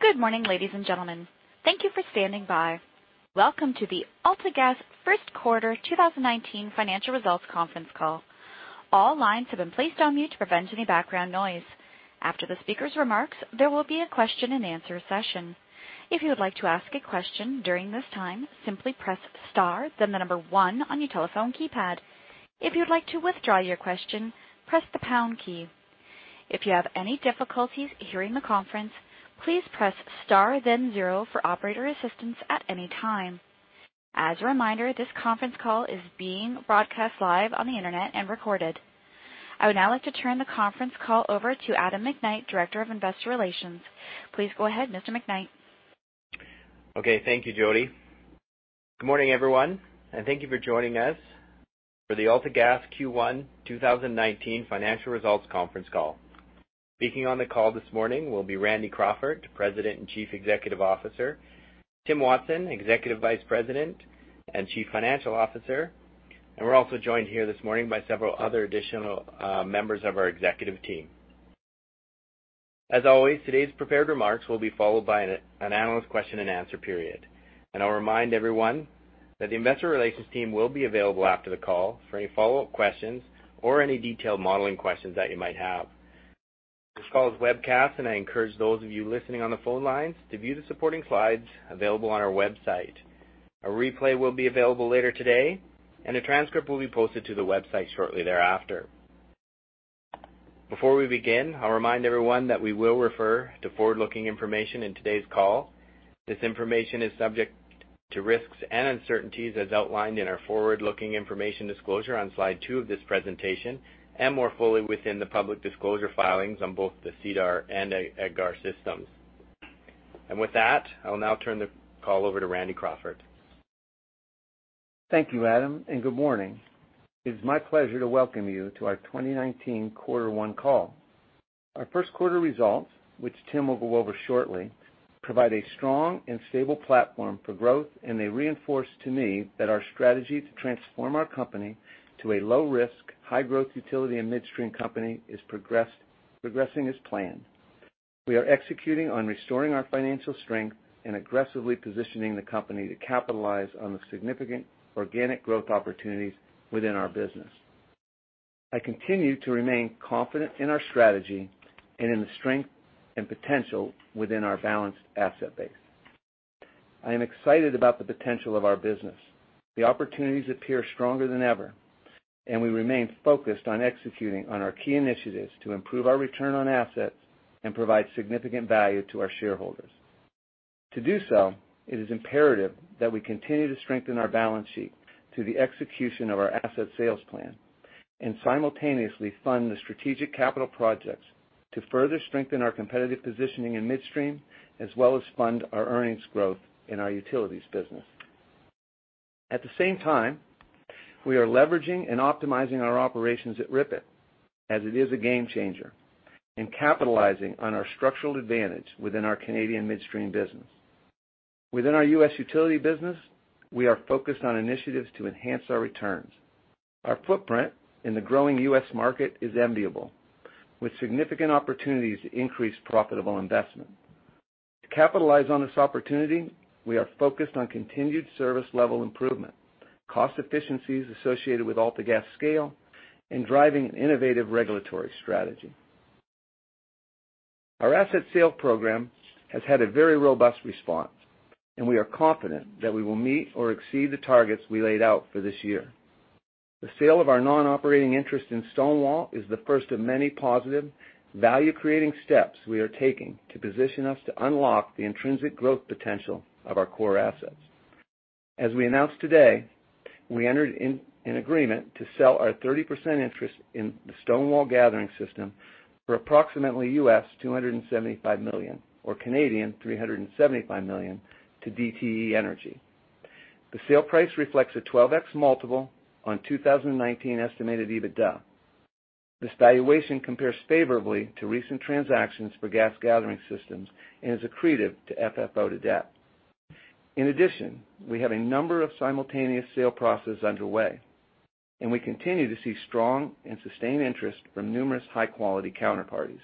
Good morning, ladies and gentlemen. Thank you for standing by. Welcome to the AltaGas First Quarter 2019 Financial Results Conference Call. All lines have been placed on mute to prevent any background noise. After the speakers' remarks, there will be a question and answer session. If you would like to ask a question during this time, simply press star then the number one on your telephone keypad. If you'd like to withdraw your question, press the pound key. If you have any difficulties hearing the conference, please press star then zero for operator assistance at any time. As a reminder, this conference call is being broadcast live on the internet and recorded. I would now like to turn the conference call over to Adam McKnight, Director of Investor Relations. Please go ahead, Mr. McKnight. Okay. Thank you, Jody. Good morning, everyone, and thank you for joining us for the AltaGas Q1 2019 Financial Results Conference Call. Speaking on the call this morning will be Randy Crawford, President and Chief Executive Officer, Tim Watson, Executive Vice President and Chief Financial Officer. We are also joined here this morning by several other additional members of our executive team. As always, today's prepared remarks will be followed by an analyst question and answer period. I'll remind everyone that the investor relations team will be available after the call for any follow-up questions or any detailed modeling questions that you might have. This call is webcast. I encourage those of you listening on the phone lines to view the supporting slides available on our website. A replay will be available later today, and a transcript will be posted to the website shortly thereafter. Before we begin, I'll remind everyone that we will refer to forward-looking information in today's call. This information is subject to risks and uncertainties as outlined in our forward-looking information disclosure on slide two of this presentation, and more fully within the public disclosure filings on both the SEDAR and EDGAR systems. With that, I will now turn the call over to Randy Crawford. Thank you, Adam. Good morning. It is my pleasure to welcome you to our 2019 quarter one call. Our first quarter results, which Tim will go over shortly, provide a strong and stable platform for growth. They reinforce to me that our strategy to transform our company to a low-risk, high-growth utility and midstream company is progressing as planned. We are executing on restoring our financial strength and aggressively positioning the company to capitalize on the significant organic growth opportunities within our business. I continue to remain confident in our strategy and in the strength and potential within our balanced asset base. I am excited about the potential of our business. The opportunities appear stronger than ever. We remain focused on executing on our key initiatives to improve our return on assets and provide significant value to our shareholders. To do so, it is imperative that we continue to strengthen our balance sheet through the execution of our asset sales plan and simultaneously fund the strategic capital projects to further strengthen our competitive positioning in midstream, as well as fund our earnings growth in our utilities business. At the same time, we are leveraging and optimizing our operations at RIPET, as it is a game-changer in capitalizing on our structural advantage within our Canadian midstream business. Within our U.S. utility business, we are focused on initiatives to enhance our returns. Our footprint in the growing U.S. market is enviable, with significant opportunities to increase profitable investment. To capitalize on this opportunity, we are focused on continued service-level improvement, cost efficiencies associated with AltaGas scale, and driving an innovative regulatory strategy. Our asset sale program has had a very robust response. We are confident that we will meet or exceed the targets we laid out for this year. The sale of our non-operating interest in Stonewall is the first of many positive, value-creating steps we are taking to position us to unlock the intrinsic growth potential of our core assets. As we announced today, we entered an agreement to sell our 30% interest in the Stonewall Gathering System for approximately US$275 million or 375 million Canadian dollars to DTE Energy. The sale price reflects a 12x multiple on 2019 estimated EBITDA. This valuation compares favorably to recent transactions for gas gathering systems and is accretive to FFO to debt. We have a number of simultaneous sale processes underway. We continue to see strong and sustained interest from numerous high-quality counterparties,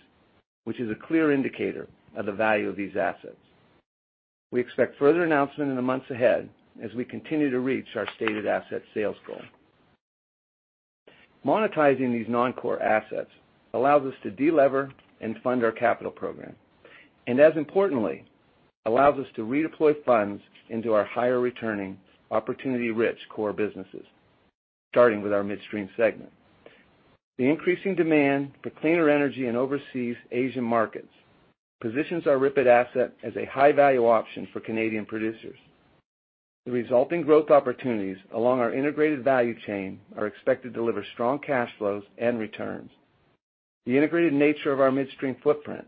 which is a clear indicator of the value of these assets. We expect further announcement in the months ahead as we continue to reach our stated asset sales goal. Monetizing these non-core assets allows us to de-lever and fund our capital program. As importantly, allows us to redeploy funds into our higher-returning, opportunity-rich core businesses, starting with our midstream segment. The increasing demand for cleaner energy in overseas Asian markets positions our Ripon asset as a high-value option for Canadian producers. The resulting growth opportunities along our integrated value chain are expected to deliver strong cash flows and returns. The integrated nature of our midstream footprint,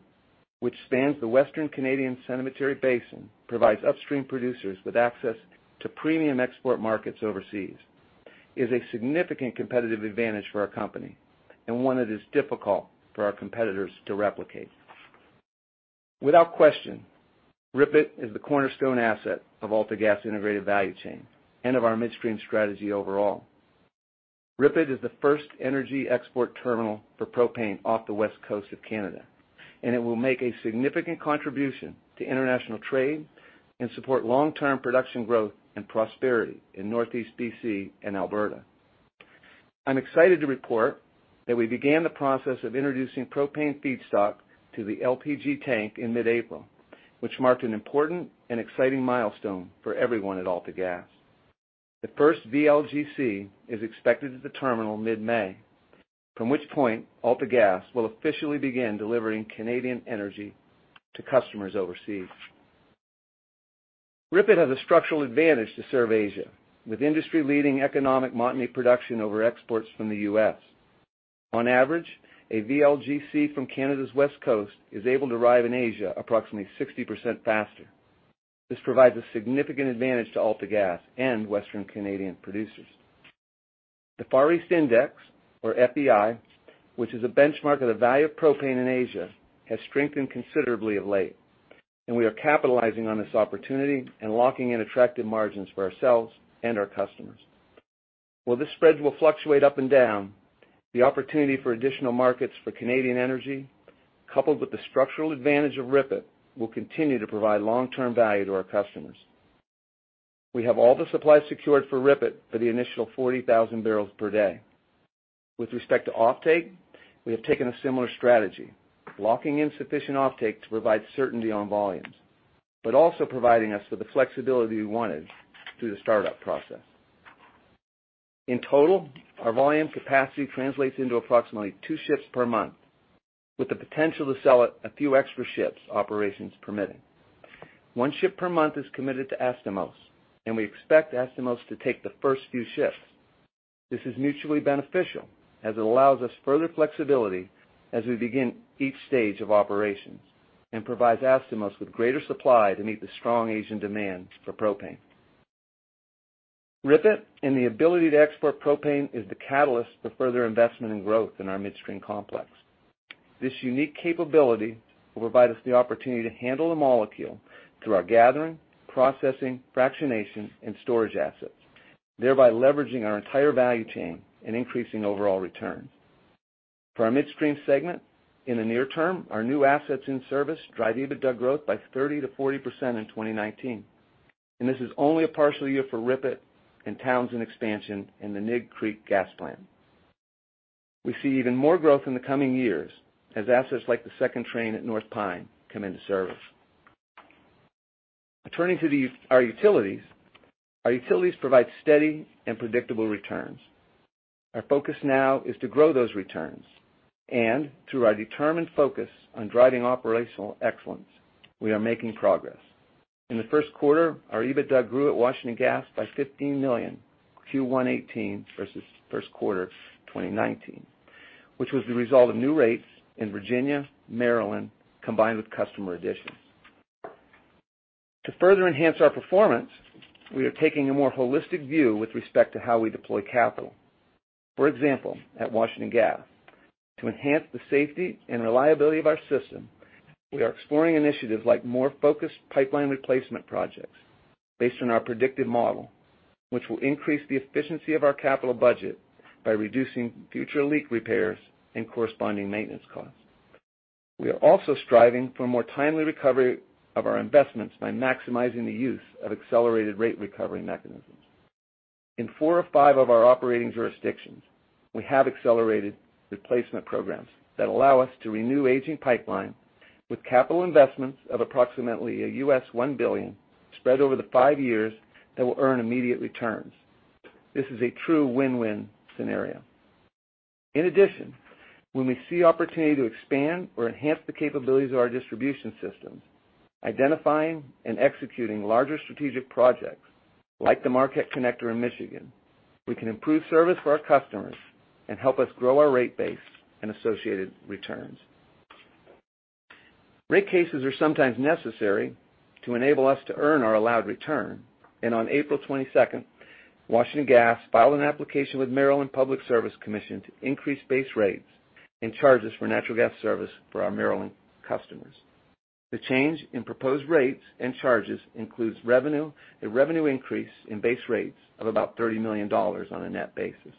which spans the Western Canadian Sedimentary Basin, provides upstream producers with access to premium export markets overseas. It is a significant competitive advantage for our company. One that is difficult for our competitors to replicate. Without question, Ripon is the cornerstone asset of AltaGas integrated value chain and of our midstream strategy overall. RIPET is the first energy export terminal for propane off the west coast of Canada, and it will make a significant contribution to international trade and support long-term production growth and prosperity in Northeast B.C. and Alberta. I'm excited to report that we began the process of introducing propane feedstock to the LPG tank in mid-April, which marked an important and exciting milestone for everyone at AltaGas. The first VLGC is expected at the terminal mid-May, from which point AltaGas will officially begin delivering Canadian energy to customers overseas. RIPET has a structural advantage to serve Asia, with industry-leading economic Montney production over exports from the U.S. On average, a VLGC from Canada's west coast is able to arrive in Asia approximately 60% faster. This provides a significant advantage to AltaGas and western Canadian producers. The Far East Index, or FEI, which is a benchmark of the value of propane in Asia, has strengthened considerably of late. We are capitalizing on this opportunity and locking in attractive margins for ourselves and our customers. While the spreads will fluctuate up and down, the opportunity for additional markets for Canadian energy, coupled with the structural advantage of RIPET, will continue to provide long-term value to our customers. We have all the supply secured for RIPET for the initial 40,000 barrels per day. With respect to offtake, we have taken a similar strategy, locking in sufficient offtake to provide certainty on volumes, but also providing us with the flexibility we wanted through the startup process. In total, our volume capacity translates into approximately two ships per month, with the potential to sell a few extra ships, operations permitting. One ship per month is committed to Astomos, and we expect Astomos to take the first few ships. This is mutually beneficial, as it allows us further flexibility as we begin each stage of operations and provides Astomos with greater supply to meet the strong Asian demand for propane. RIPET and the ability to export propane is the catalyst for further investment and growth in our midstream complex. This unique capability will provide us the opportunity to handle the molecule through our gathering, processing, fractionation, and storage assets, thereby leveraging our entire value chain and increasing overall returns. For our midstream segment, in the near term, our new assets in service drive EBITDA growth by 30%-40% in 2019, and this is only a partial year for RIPET and Townsend expansion in the Nig Creek Gas Plant. We see even more growth in the coming years as assets like the second train at North Pine come into service. Turning to our utilities. Our utilities provide steady and predictable returns. Our focus now is to grow those returns, and through our determined focus on driving operational excellence, we are making progress. In the first quarter, our EBITDA grew at Washington Gas by 15 million, Q1 '18 versus first quarter 2019, which was the result of new rates in Virginia, Maryland, combined with customer additions. To further enhance our performance, we are taking a more holistic view with respect to how we deploy capital. For example, at Washington Gas, to enhance the safety and reliability of our system, we are exploring initiatives like more focused pipeline replacement projects based on our predictive model, which will increase the efficiency of our capital budget by reducing future leak repairs and corresponding maintenance costs. We are also striving for more timely recovery of our investments by maximizing the use of accelerated rate recovery mechanisms. In four or five of our operating jurisdictions, we have accelerated replacement programs that allow us to renew aging pipeline with capital investments of approximately $1 billion spread over the five years that will earn immediate returns. This is a true win-win scenario. In addition, when we see opportunity to expand or enhance the capabilities of our distribution systems, identifying and executing larger strategic projects like the Marquette Connector in Michigan, we can improve service for our customers and help us grow our rate base and associated returns. Rate cases are sometimes necessary to enable us to earn our allowed return, and on April 22nd, Washington Gas filed an application with Maryland Public Service Commission to increase base rates and charges for natural gas service for our Maryland customers. The change in proposed rates and charges includes revenue, a revenue increase in base rates of about 30 million dollars on a net basis.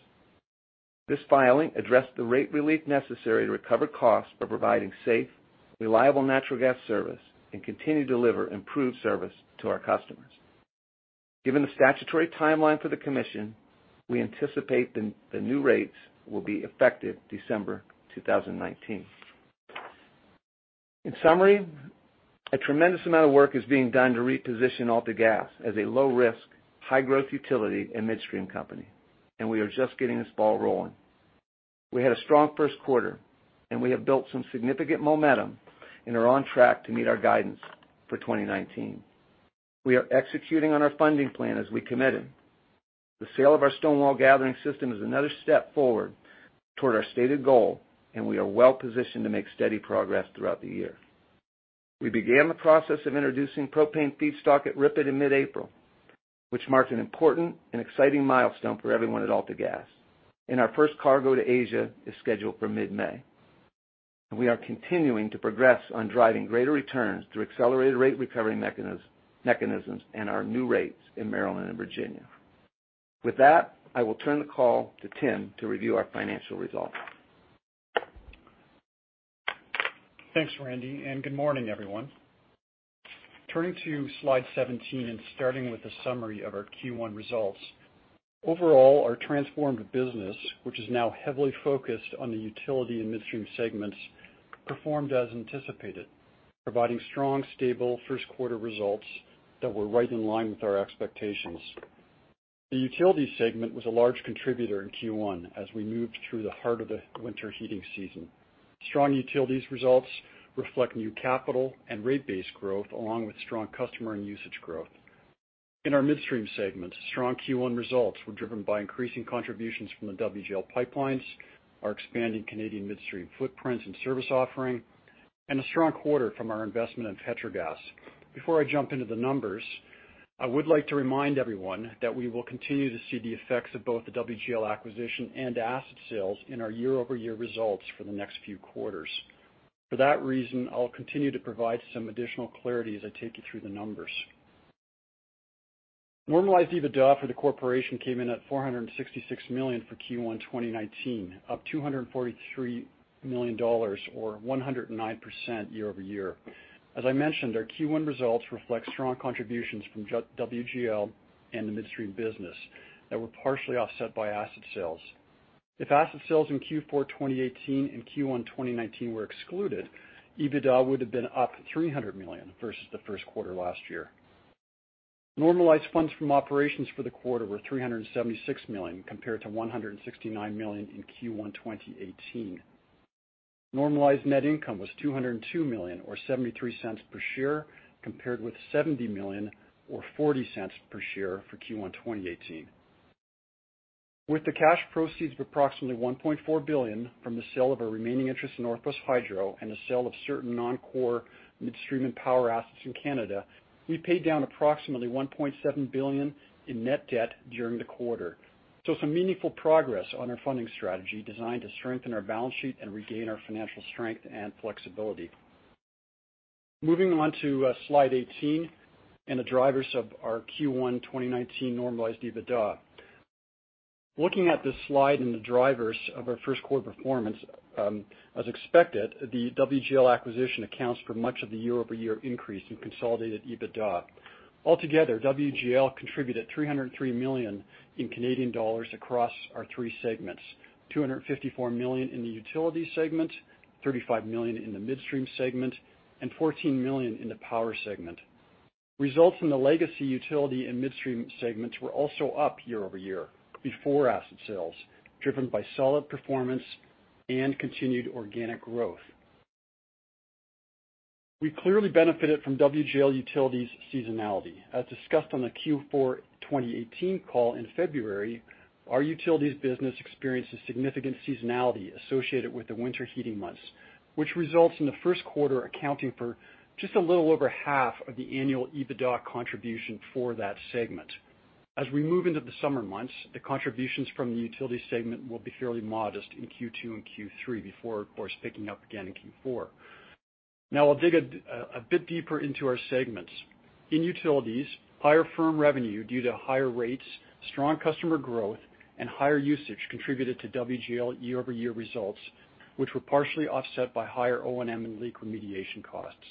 This filing addressed the rate relief necessary to recover costs by providing safe, reliable natural gas service and continue to deliver improved service to our customers. Given the statutory timeline for the commission, we anticipate the new rates will be effective December 2019. In summary, a tremendous amount of work is being done to reposition AltaGas as a low-risk, high-growth utility and midstream company, and we are just getting this ball rolling. We had a strong first quarter, and we have built some significant momentum and are on track to meet our guidance for 2019. We are executing on our funding plan as we committed. The sale of our Stonewall Gathering System is another step forward toward our stated goal, and we are well-positioned to make steady progress throughout the year. We began the process of introducing propane feedstock at RIPET in mid-April, which marked an important and exciting milestone for everyone at AltaGas, and our first cargo to Asia is scheduled for mid-May. We are continuing to progress on driving greater returns through accelerated rate recovery mechanisms and our new rates in Maryland and Virginia. With that, I will turn the call to Tim to review our financial results. Thanks, Randy, and good morning, everyone. Turning to slide 17 and starting with a summary of our Q1 results. Overall, our transformed business, which is now heavily focused on the utility and midstream segments, performed as anticipated, providing strong, stable first quarter results that were right in line with our expectations. The utility segment was a large contributor in Q1 as we moved through the heart of the winter heating season. Strong utilities results reflect new capital and rate-based growth, along with strong customer and usage growth. In our midstream segment, strong Q1 results were driven by increasing contributions from the WGL pipelines, our expanding Canadian midstream footprint and service offering, and a strong quarter from our investment in Petrogas. Before I jump into the numbers, I would like to remind everyone that we will continue to see the effects of both the WGL acquisition and asset sales in our year-over-year results for the next few quarters. For that reason, I'll continue to provide some additional clarity as I take you through the numbers. Normalized EBITDA for the corporation came in at 466 million for Q1 2019, up 243 million dollars or 109% year-over-year. As I mentioned, our Q1 results reflect strong contributions from WGL and the midstream business that were partially offset by asset sales. If asset sales in Q4 2018 and Q1 2019 were excluded, EBITDA would have been up 300 million versus the first quarter last year. Normalized funds from operations for the quarter were 376 million, compared to 169 million in Q1 2018. Normalized net income was 202 million, or 0.73 per share, compared with 70 million or 0.40 per share for Q1 2018. With the cash proceeds of approximately 1.4 billion from the sale of our remaining interest in Northwest Hydro and the sale of certain non-core midstream and power assets in Canada, we paid down approximately 1.7 billion in net debt during the quarter. Some meaningful progress on our funding strategy designed to strengthen our balance sheet and regain our financial strength and flexibility. Moving on to slide 18 and the drivers of our Q1 2019 normalized EBITDA. Looking at this slide and the drivers of our first quarter performance, as expected, the WGL acquisition accounts for much of the year-over-year increase in consolidated EBITDA. Altogether, WGL contributed 303 million in Canadian dollars across our three segments, 254 million in the utility segment, 35 million in the midstream segment, and 14 million in the power segment. Results in the legacy utility and midstream segments were also up year-over-year before asset sales, driven by solid performance and continued organic growth. We clearly benefited from WGL Utilities seasonality. As discussed on the Q4 2018 call in February, our utilities business experienced a significant seasonality associated with the winter heating months, which results in the first quarter accounting for just a little over half of the annual EBITDA contribution for that segment. As we move into the summer months, the contributions from the utility segment will be fairly modest in Q2 and Q3 before, of course, picking up again in Q4. I'll dig a bit deeper into our segments. In utilities, higher firm revenue due to higher rates, strong customer growth, and higher usage contributed to WGL year-over-year results, which were partially offset by higher O&M and leak remediation costs.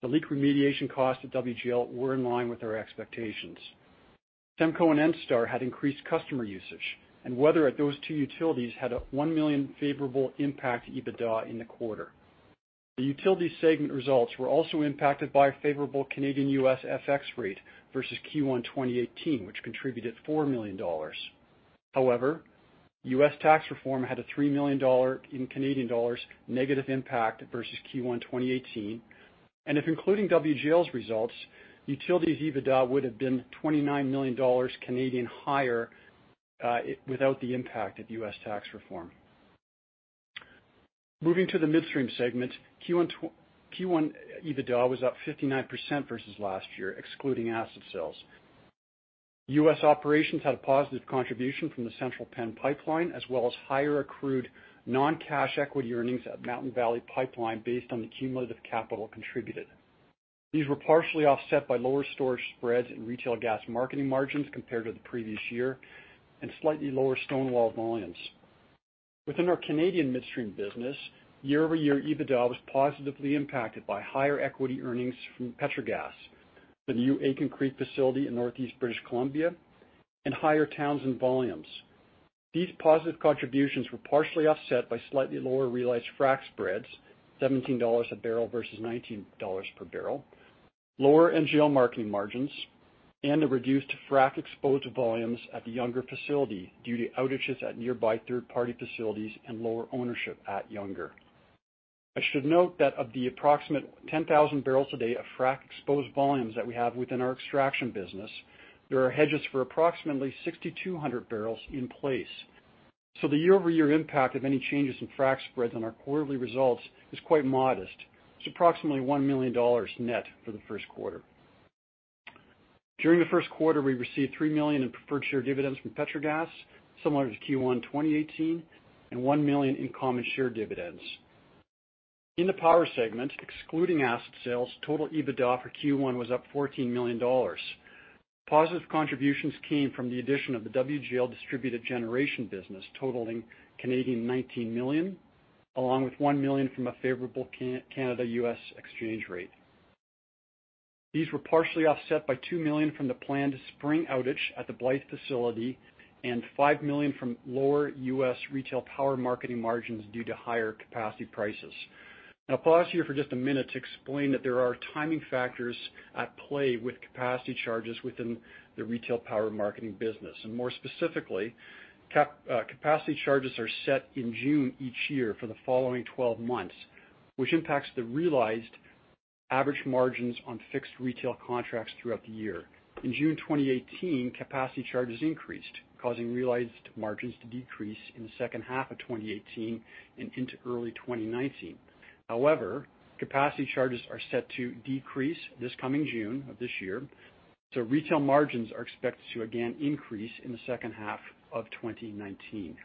The leak remediation costs at WGL were in line with our expectations. SEMCO and ENSTAR had increased customer usage, and weather at those two utilities had a 1 million favorable impact to EBITDA in the quarter. The utility segment results were also impacted by a favorable Canadian-U.S. FX rate versus Q1 2018, which contributed 4 million dollars. However, U.S. tax reform had a 3 million dollar in Canadian dollars negative impact versus Q1 2018. If including WGL's results, utilities EBITDA would have been 29 million Canadian dollars Canadian higher without the impact of U.S. tax reform. Moving to the midstream segment, Q1 EBITDA was up 59% versus last year, excluding asset sales. U.S. operations had a positive contribution from the Central Penn Pipeline, as well as higher accrued non-cash equity earnings at Mountain Valley Pipeline based on the cumulative capital contributed. These were partially offset by lower storage spreads and retail gas marketing margins compared to the previous year, and slightly lower Stonewall volumes. Within our Canadian Midstream business, year-over-year EBITDA was positively impacted by higher equity earnings from Petrogas, the new Aitken Creek facility in Northeast British Columbia, and higher Townsend volumes. These positive contributions were partially offset by slightly lower realized frac spreads, 17 dollars a barrel versus 19 dollars per barrel, lower NGL marketing margins, and the reduced frac exposed volumes at the Younger facility due to outages at nearby third-party facilities and lower ownership at Younger. I should note that of the approximate 10,000 barrels a day of frac exposed volumes that we have within our extraction business, there are hedges for approximately 6,200 barrels in place. The year-over-year impact of any changes in frac spreads on our quarterly results is quite modest. It is approximately 1 million dollars net for the first quarter. During the first quarter, we received 3 million in preferred share dividends from Petrogas, similar to Q1 2018, and 1 million in common share dividends. In the Power segment, excluding asset sales, total EBITDA for Q1 was up 14 million dollars. Positive contributions came from the addition of the WGL distributed generation business, totaling 19 million Canadian dollars, along with 1 million from a favorable Canada-U.S. exchange rate. These were partially offset by 2 million from the planned spring outage at the Blythe facility and 5 million from lower U.S. retail power marketing margins due to higher capacity prices. I will pause here for just a minute to explain that there are timing factors at play with capacity charges within the retail power marketing business. More specifically, capacity charges are set in June each year for the following 12 months, which impacts the realized average margins on fixed retail contracts throughout the year. In June 2018, capacity charges increased, causing realized margins to decrease in the second half of 2018 and into early 2019. Capacity charges are set to decrease this coming June of this year, retail margins are expected to again increase in the second half of 2019.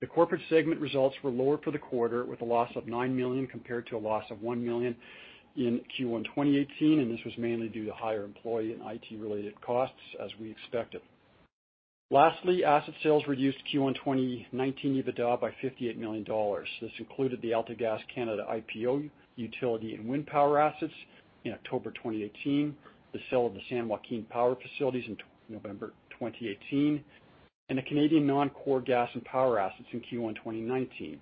The Corporate segment results were lower for the quarter, with a loss of 9 million compared to a loss of 1 million in Q1 2018, this was mainly due to higher employee and IT-related costs, as we expected. Lastly, asset sales reduced Q1 2019 EBITDA by 58 million dollars. This included the AltaGas Canada IPO utility and wind power assets in October 2018, the sale of the San Joaquin power facilities in November 2018, and the Canadian non-core gas and Power assets in Q1 2019.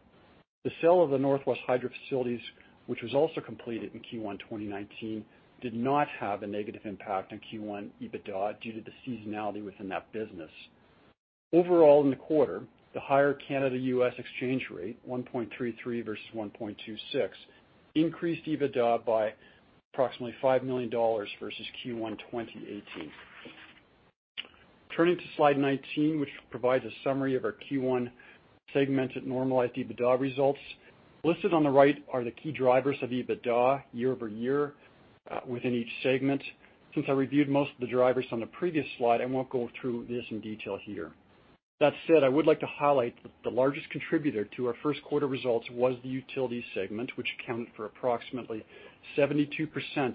The sale of the Northwest Hydro facilities, which was also completed in Q1 2019, did not have a negative impact on Q1 EBITDA due to the seasonality within that business. Overall, in the quarter, the higher Canada-U.S. exchange rate, 1.33 versus 1.26, increased EBITDA by approximately 5 million dollars versus Q1 2018. Turning to slide 19, which provides a summary of our Q1 segmented normalized EBITDA results. Listed on the right are the key drivers of EBITDA year-over-year within each segment. Since I reviewed most of the drivers on the previous slide, I won't go through this in detail here. That said, I would like to highlight that the largest contributor to our first quarter results was the utility segment, which accounted for approximately 72%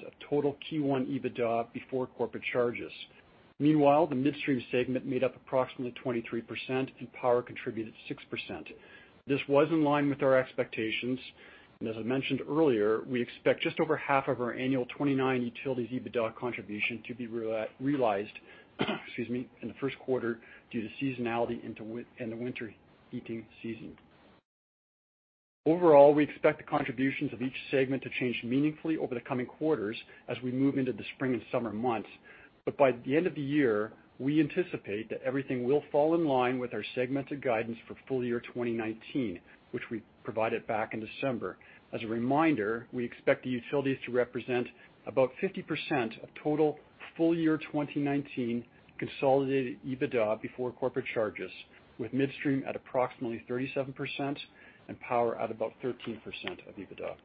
of total Q1 EBITDA before corporate charges. Meanwhile, the midstream segment made up approximately 23%, and power contributed 6%. This was in line with our expectations, and as I mentioned earlier, we expect just over half of our annual 2029 utilities EBITDA contribution to be realized in the first quarter due to seasonality and the winter heating season. Overall, we expect the contributions of each segment to change meaningfully over the coming quarters as we move into the spring and summer months. By the end of the year, we anticipate that everything will fall in line with our segmented guidance for full year 2019, which we provided back in December. As a reminder, we expect the utilities to represent about 50% of total full year 2019 consolidated EBITDA before corporate charges, with midstream at approximately 37% and power at about 13% of EBITDA.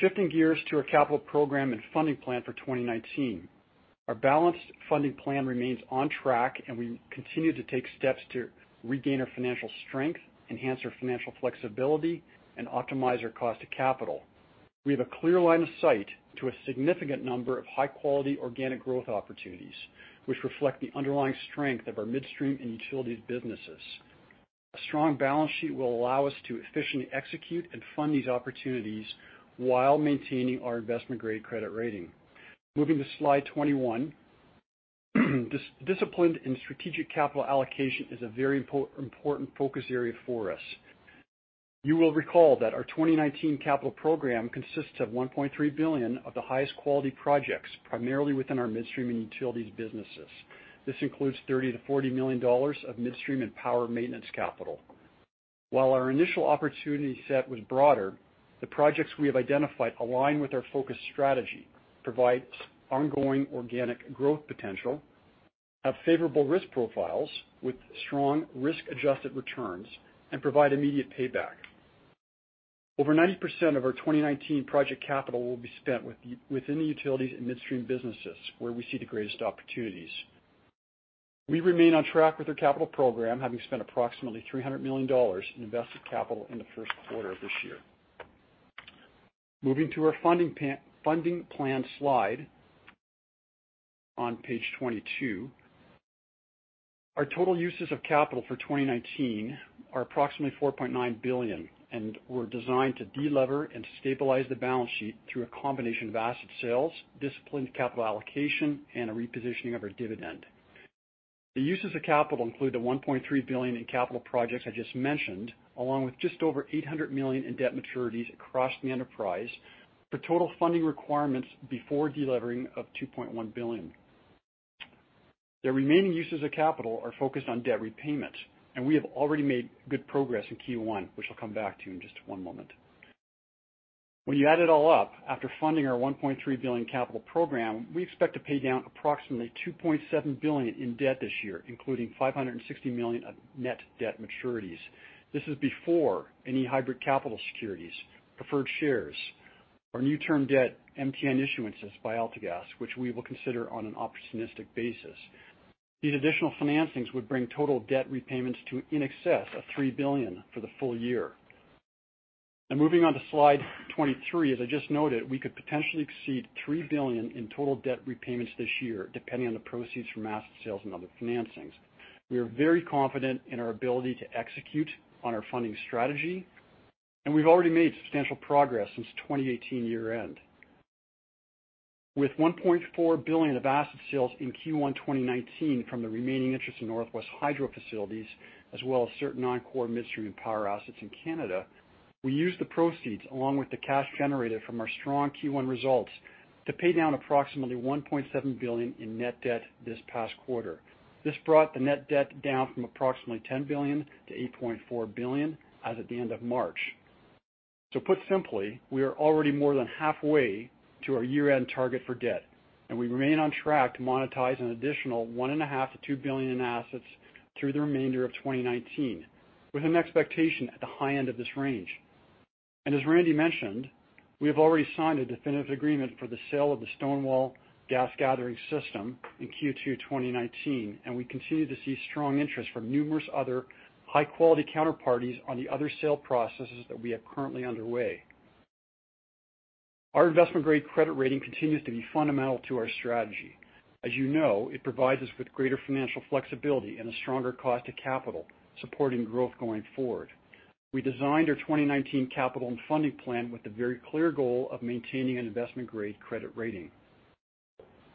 Shifting gears to our capital program and funding plan for 2019. Our balanced funding plan remains on track, and we continue to take steps to regain our financial strength, enhance our financial flexibility, and optimize our cost of capital. We have a clear line of sight to a significant number of high-quality organic growth opportunities, which reflect the underlying strength of our midstream and utilities businesses. A strong balance sheet will allow us to efficiently execute and fund these opportunities while maintaining our investment-grade credit rating. Moving to slide 21. Disciplined and strategic capital allocation is a very important focus area for us. You will recall that our 2019 capital program consists of 1.3 billion of the highest quality projects, primarily within our midstream and utilities businesses. This includes 30 million-40 million dollars of midstream and power maintenance capital. While our initial opportunity set was broader, the projects we have identified align with our focus strategy, provide ongoing organic growth potential, have favorable risk profiles with strong risk-adjusted returns, and provide immediate payback. Over 90% of our 2019 project capital will be spent within the utilities and midstream businesses, where we see the greatest opportunities. We remain on track with our capital program, having spent approximately 300 million dollars in invested capital in the first quarter of this year. Moving to our funding plan slide on page 22. Our total uses of capital for 2019 are approximately 4.9 billion, were designed to delever and stabilize the balance sheet through a combination of asset sales, disciplined capital allocation, and a repositioning of our dividend. The uses of capital include the 1.3 billion in capital projects I just mentioned, along with just over 800 million in debt maturities across the enterprise for total funding requirements before delevering of 2.1 billion. The remaining uses of capital are focused on debt repayment, and we have already made good progress in Q1, which I'll come back to in just one moment. When you add it all up, after funding our 1.3 billion capital program, we expect to pay down approximately 2.7 billion in debt this year, including 560 million of net debt maturities. This is before any hybrid capital securities, preferred sharesOur new term debt MTN issuances by AltaGas, which we will consider on an opportunistic basis. These additional financings would bring total debt repayments to in excess of 3 billion for the full year. Moving on to slide 23, as I just noted, we could potentially exceed 3 billion in total debt repayments this year, depending on the proceeds from asset sales and other financings. We are very confident in our ability to execute on our funding strategy, and we've already made substantial progress since 2018 year-end. With 1.4 billion of asset sales in Q1 2019 from the remaining interest in Northwest Hydro facilities as well as certain non-core midstream and power assets in Canada, we used the proceeds along with the cash generated from our strong Q1 results to pay down approximately 1.7 billion in net debt this past quarter. This brought the net debt down from approximately 10 billion to 8.4 billion as at the end of March. Put simply, we are already more than halfway to our year-end target for debt, and we remain on track to monetize an additional 1.5 billion-2 billion in assets through the remainder of 2019, with an expectation at the high end of this range. As Randy mentioned, we have already signed a definitive agreement for the sale of the Stonewall Gas Gathering System in Q2 2019, and we continue to see strong interest from numerous other high-quality counterparties on the other sale processes that we have currently underway. Our investment-grade credit rating continues to be fundamental to our strategy. As you know, it provides us with greater financial flexibility and a stronger cost to capital, supporting growth going forward. We designed our 2019 capital and funding plan with the very clear goal of maintaining an investment-grade credit rating.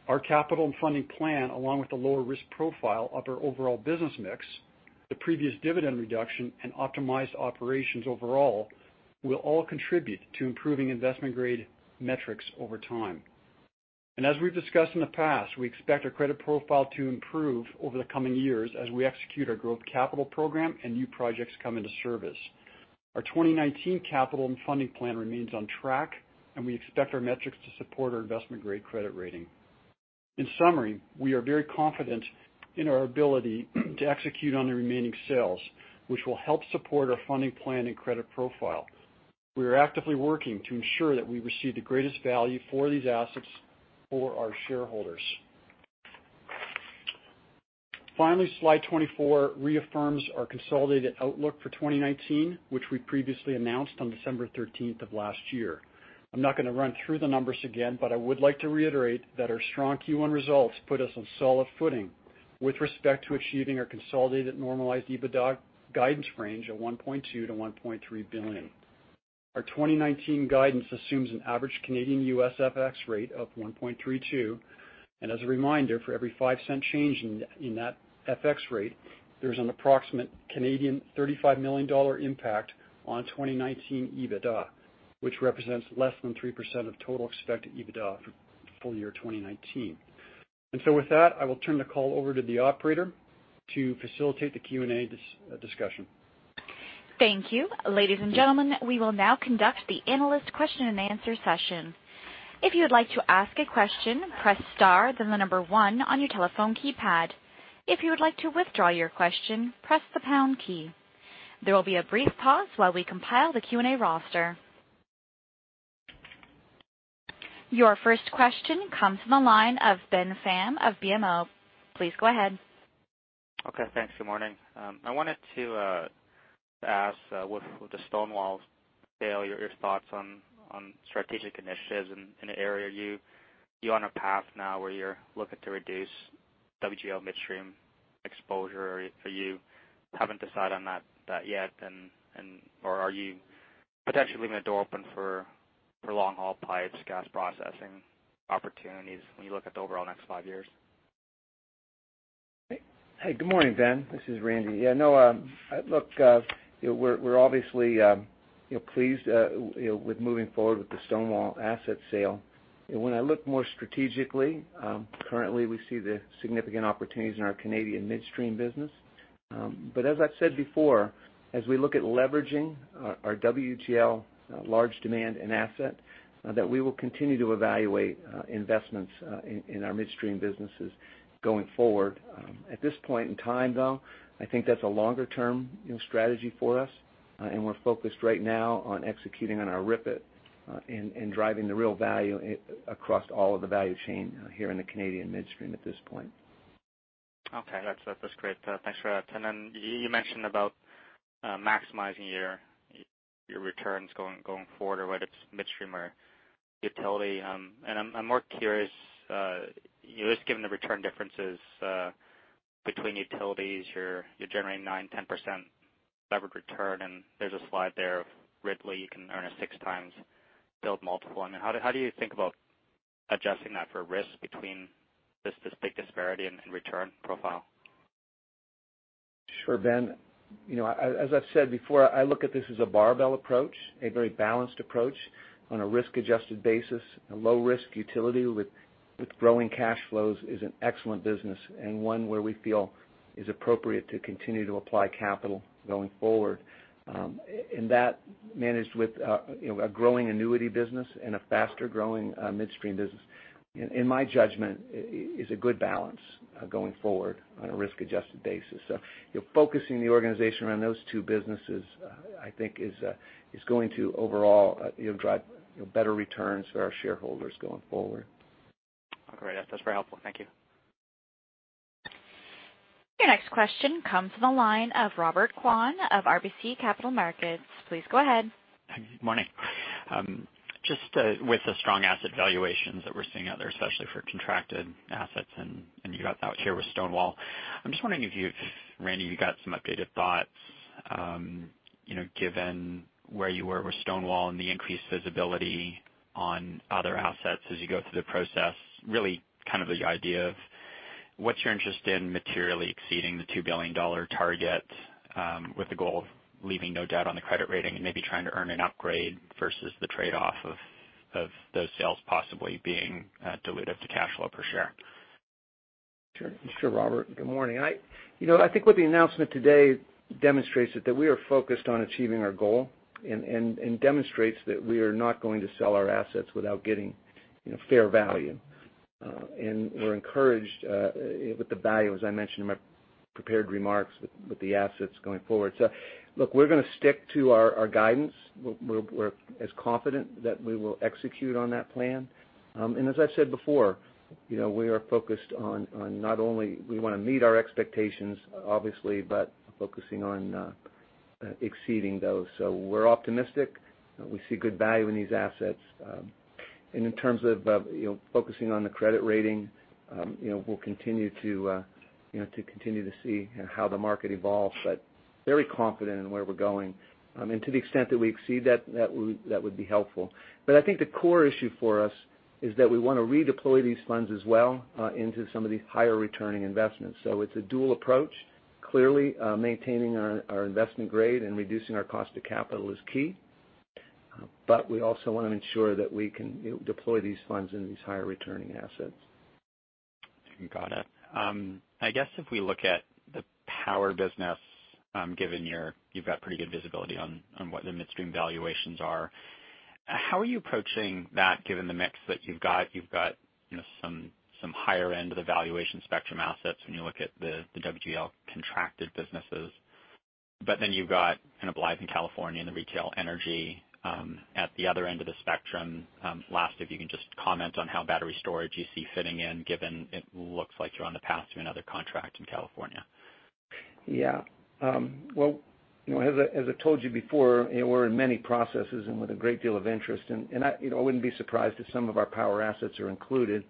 Our capital and funding plan, along with the lower risk profile of our overall business mix, the previous dividend reduction, and optimized operations overall, will all contribute to improving investment-grade metrics over time. As we've discussed in the past, we expect our credit profile to improve over the coming years as we execute our growth capital program and new projects come into service. Our 2019 capital and funding plan remains on track, and we expect our metrics to support our investment-grade credit rating. In summary, we are very confident in our ability to execute on the remaining sales, which will help support our funding plan and credit profile. We are actively working to ensure that we receive the greatest value for these assets for our shareholders. Finally, slide 24 reaffirms our consolidated outlook for 2019, which we previously announced on December 13th of last year. I am not going to run through the numbers again, I would like to reiterate that our strong Q1 results put us on solid footing with respect to achieving our consolidated normalized EBITDA guidance range of 1.2 billion-1.3 billion. Our 2019 guidance assumes an average Canadian-U.S. FX rate of 1.32, as a reminder, for every 0.05 change in that FX rate, there is an approximate 35 million Canadian dollars impact on 2019 EBITDA, which represents less than 3% of total expected EBITDA for full-year 2019. With that, I will turn the call over to the operator to facilitate the Q&A discussion. Thank you. Ladies and gentlemen, we will now conduct the analyst question and answer session. If you would like to ask a question, press star 1 on your telephone keypad. If you would like to withdraw your question, press the pound key. There will be a brief pause while we compile the Q&A roster. Your first question comes from the line of Ben Pham of BMO. Please go ahead. Thanks. Good morning. I wanted to ask with the Stonewall sale, your thoughts on strategic initiatives in the area. Are you on a path now where you are looking to reduce WGL midstream exposure? You have not decided on that yet? Are you potentially leaving the door open for long-haul pipes, gas processing opportunities when you look at the overall next five years? Hey, good morning, Ben. This is Randy. No. Look, we are obviously pleased with moving forward with the Stonewall asset sale. When I look more strategically, currently we see the significant opportunities in our Canadian midstream business. As I have said before, as we look at leveraging our WGL large demand and asset, that we will continue to evaluate investments in our midstream businesses going forward. At this point in time, though, I think that is a longer-term strategy for us, we are focused right now on executing on our RIPET and driving the real value across all of the value chain here in the Canadian midstream at this point. Okay. That's great. Thanks for that. You mentioned about maximizing your returns going forward or whether it's midstream or utility. I'm more curious, just given the return differences between utilities, you're generating 9%, 10% levered return, and there's a slide there of Ridley, you can earn a six times build multiple. I mean, how do you think about adjusting that for risk between this big disparity in return profile? Sure, Ben. As I've said before, I look at this as a barbell approach, a very balanced approach on a risk-adjusted basis. A low-risk utility with growing cash flows is an excellent business and one where we feel is appropriate to continue to apply capital going forward. That managed with a growing annuity business and a faster-growing midstream business, in my judgment, is a good balance going forward on a risk-adjusted basis. Focusing the organization around those two businesses, I think is going to overall drive better returns for our shareholders going forward. Okay, great. That's very helpful. Thank you. Your next question comes from the line of Robert Kwan of RBC Capital Markets. Please go ahead. Good morning. Just with the strong asset valuations that we're seeing out there, especially for contracted assets, and you got that here with Stonewall. I'm just wondering if Randy, you got some updated thoughts, given where you were with Stonewall and the increased visibility on other assets as you go through the process, really the idea of what's your interest in materially exceeding the 2 billion dollar target, with the goal of leaving no doubt on the credit rating and maybe trying to earn an upgrade versus the trade-off of those sales possibly being dilutive to cash flow per share? Sure. Sure, Robert. Good morning. I think what the announcement today demonstrates is that we are focused on achieving our goal and demonstrates that we are not going to sell our assets without getting fair value. We're encouraged with the value, as I mentioned in my prepared remarks, with the assets going forward. Look, we're going to stick to our guidance. We're as confident that we will execute on that plan. As I've said before, we are focused on not only we want to meet our expectations, obviously, but focusing on exceeding those. We're optimistic. We see good value in these assets. In terms of focusing on the credit rating, we'll continue to see how the market evolves, but very confident in where we're going. To the extent that we exceed that would be helpful. I think the core issue for us is that we want to redeploy these funds as well into some of these higher returning investments. It's a dual approach. Clearly, maintaining our investment grade and reducing our cost of capital is key. We also want to ensure that we can deploy these funds into these higher returning assets. Got it. I guess if we look at the power business, given you've got pretty good visibility on what the midstream valuations are, how are you approaching that given the mix that you've got? You've got some higher end of the valuation spectrum assets when you look at the WGL contracted businesses. Then you've got Blythe in California and the retail energy at the other end of the spectrum. Last, if you can just comment on how battery storage you see fitting in, given it looks like you're on the path to another contract in California. Yeah. As I told you before, we are in many processes with a great deal of interest, I would not be surprised if some of our power assets are included.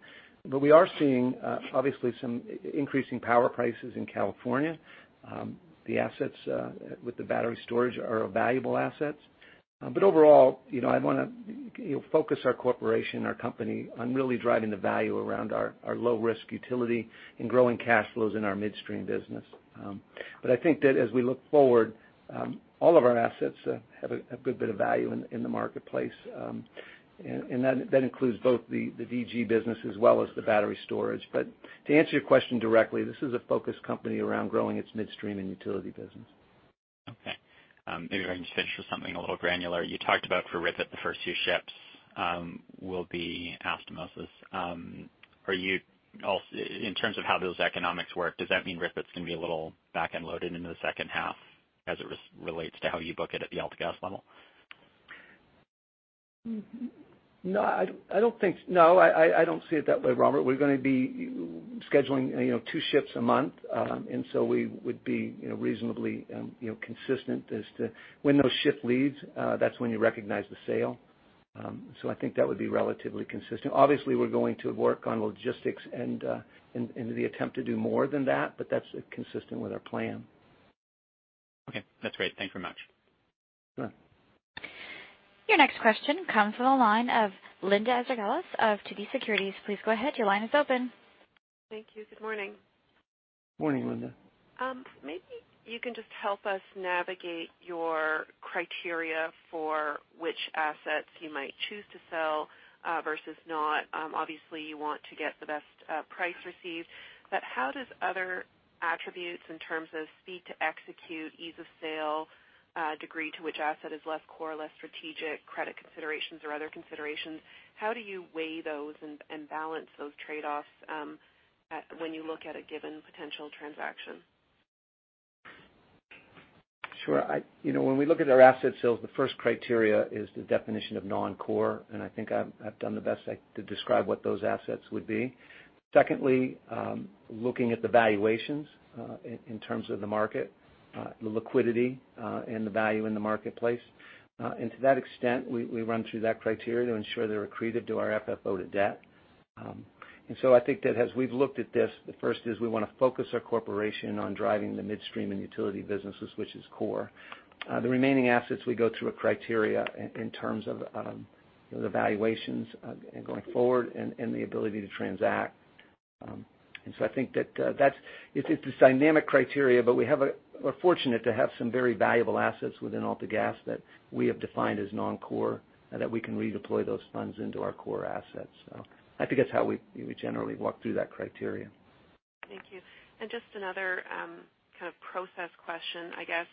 We are seeing obviously some increasing power prices in California. The assets with the battery storage are valuable assets. Overall, I would want to focus our corporation, our company, on really driving the value around our low-risk utility and growing cash flows in our midstream business. I think that as we look forward, all of our assets have a good bit of value in the marketplace. That includes both the DG business as well as the battery storage. To answer your question directly, this is a focused company around growing its midstream and utility business. Okay. Maybe I can just finish with something a little granular. You talked about for RIPET, the first 2 ships will be Astomos. In terms of how those economics work, does that mean RIPET is going to be a little back-end loaded into the second half as it relates to how you book it at the AltaGas level? No, I do not see it that way, Robert. We are going to be scheduling 2 ships a month. We would be reasonably consistent as to when those ship leaves. That is when you recognize the sale. I think that would be relatively consistent. Obviously, we are going to work on logistics and in the attempt to do more than that is consistent with our plan. Okay. That is great. Thank you very much. Sure. Your next question comes from the line of Linda Ezergailis of TD Securities. Please go ahead. Your line is open. Thank you. Good morning. Morning, Linda. Maybe you can just help us navigate your criteria for which assets you might choose to sell versus not. Obviously, you want to get the best price received, but how does other attributes in terms of speed to execute, ease of sale, degree to which asset is less core, less strategic, credit considerations or other considerations, how do you weigh those and balance those trade-offs when you look at a given potential transaction? Sure. When we look at our asset sales, the first criteria is the definition of non-core, and I think I've done the best to describe what those assets would be. Secondly, looking at the valuations in terms of the market, the liquidity, and the value in the marketplace. To that extent, we run through that criteria to ensure they're accretive to our FFO to debt. I think that as we've looked at this, the first is we want to focus our corporation on driving the midstream and utility businesses, which is core. The remaining assets, we go through a criteria in terms of the valuations going forward and the ability to transact. I think that it's a dynamic criteria, but we're fortunate to have some very valuable assets within AltaGas that we have defined as non-core that we can redeploy those funds into our core assets. I think that's how we generally walk through that criteria. Thank you. Just another kind of process question, I guess.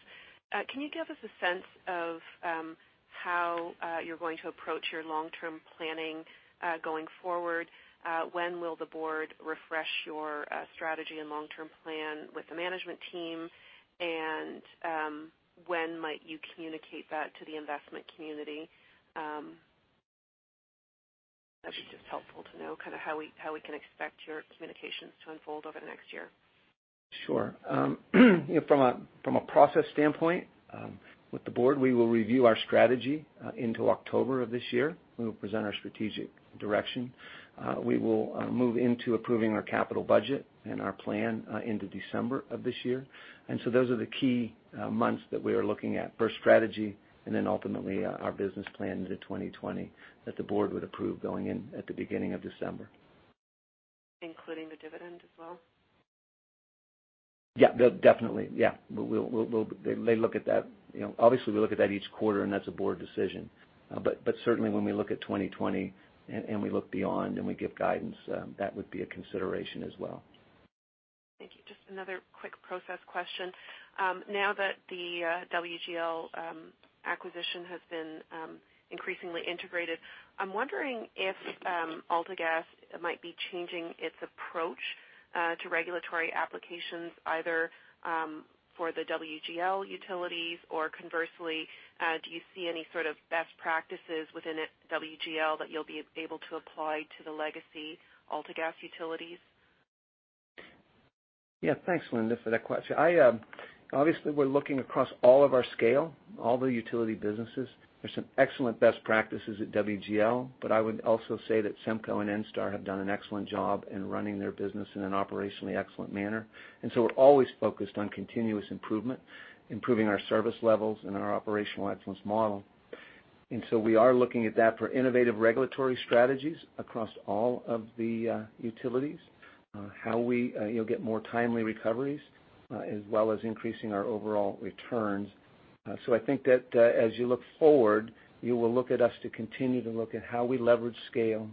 Can you give us a sense of how you're going to approach your long-term planning going forward? When will the board refresh your strategy and long-term plan with the management team? When might you communicate that to the investment community? That would be just helpful to know how we can expect your communications to unfold over the next year. Sure. From a process standpoint, with the board, we will review our strategy into October of this year. We will present our strategic direction. We will move into approving our capital budget and our plan into December of this year. Those are the key months that we are looking at for strategy, and then ultimately our business plan into 2020 that the board would approve going in at the beginning of December. Including the dividend as well? Definitely. They look at that. Obviously, we look at that each quarter, and that's a board decision. Certainly when we look at 2020 and we look beyond and we give guidance, that would be a consideration as well. Thank you. Just another quick process question. Now that the WGL acquisition has been increasingly integrated, I'm wondering if AltaGas might be changing its approach to regulatory applications, either for the WGL utilities or conversely, do you see any sort of best practices within WGL that you'll be able to apply to the legacy AltaGas utilities? Thanks, Linda, for that question. Obviously, we're looking across all of our scale, all the utility businesses. There's some excellent best practices at WGL, but I would also say that SEMCO and ENSTAR have done an excellent job in running their business in an operationally excellent manner. We're always focused on continuous improvement, improving our service levels and our operational excellence model. We are looking at that for innovative regulatory strategies across all of the utilities. How we get more timely recoveries, as well as increasing our overall returns. I think that as you look forward, you will look at us to continue to look at how we leverage scale,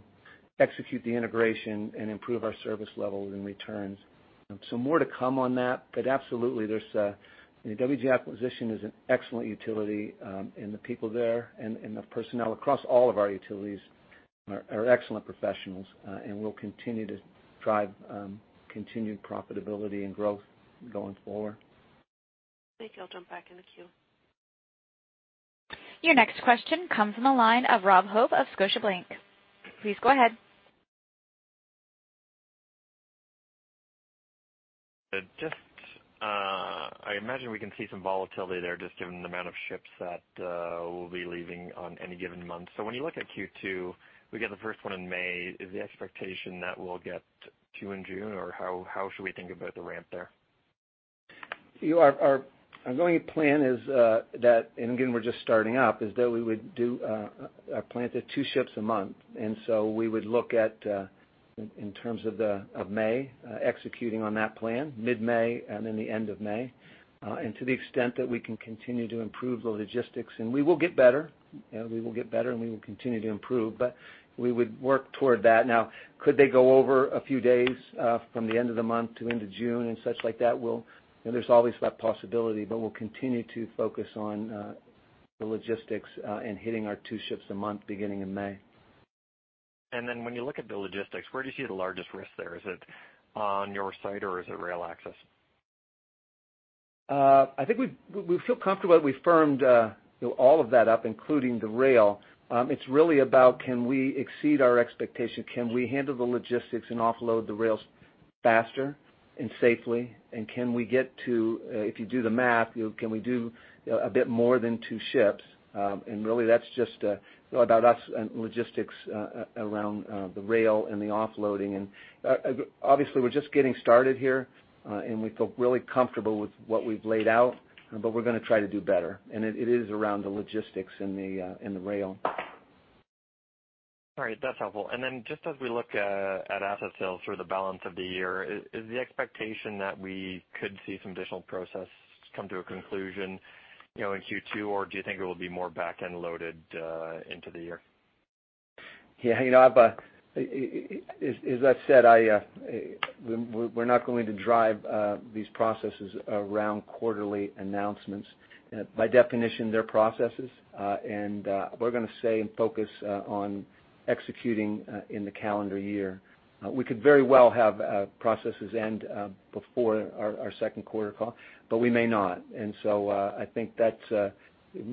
execute the integration, and improve our service levels and returns. More to come on that, but absolutely, the WGL acquisition is an excellent utility, and the people there and the personnel across all of our utilities are excellent professionals, and will continue to drive continued profitability and growth going forward. Thank you. I'll jump back in the queue. Your next question comes from the line of Robert Hope of Scotiabank. Please go ahead. Just, I imagine we can see some volatility there just given the amount of ships that will be leaving on any given month. When you look at Q2, we get the first one in May, is the expectation that we'll get two in June, or how should we think about the ramp there? Our ongoing plan is that, and again, we're just starting up, is that we would planned to two ships a month. We would look at, in terms of May, executing on that plan mid-May and then the end of May. To the extent that we can continue to improve the logistics. We will get better. We will get better, and we will continue to improve. We would work toward that. Could they go over a few days from the end of the month to into June and such like that? There's always that possibility, we'll continue to focus on the logistics and hitting our two ships a month beginning in May. When you look at the logistics, where do you see the largest risk there? Is it on your site or is it rail access? I think we feel comfortable that we firmed all of that up, including the rail. It's really about can we exceed our expectation? Can we handle the logistics and offload the rails faster and safely? Can we get to, if you do the math, can we do a bit more than two ships? Really that's just about us and logistics around the rail and the offloading. Obviously we're just getting started here, and we feel really comfortable with what we've laid out, we're going to try to do better. It is around the logistics and the rail. All right. That's helpful. Just as we look at asset sales for the balance of the year, is the expectation that we could see some additional process come to a conclusion in Q2, or do you think it will be more back-end loaded into the year? Yeah. As I've said, we're not going to drive these processes around quarterly announcements. By definition, they're processes. We're going to stay and focus on executing in the calendar year. We could very well have processes end before our second quarter call, but we may not. I think